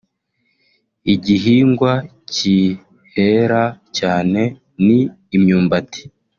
igihingwa kihera cyane ni imyumbati